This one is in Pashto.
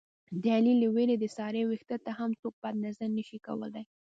د علي له وېرې د سارې وېښته ته هم څوک بد نظر نشي کولی.